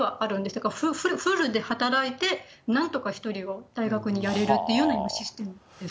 だからフルで働いて、なんとか１人を大学にやれるっていうような今、システムです。